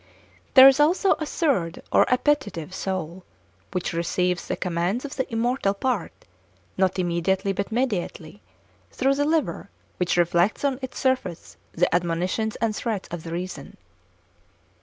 There is also a third or appetitive soul, which receives the commands of the immortal part, not immediately but mediately, through the liver, which reflects on its surface the admonitions and threats of the reason.